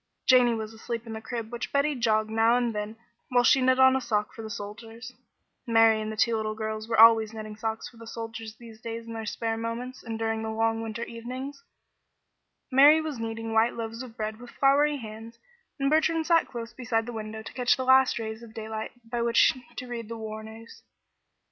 Janey was asleep in the crib which Betty jogged now and then while she knit on a sock for the soldiers, Mary and the two little girls were always knitting socks for the soldiers these days in their spare moments and during the long winter evenings, Mary was kneading white loaves of bread with floury hands, and Bertrand sat close beside the window to catch the last rays of daylight by which to read the war news.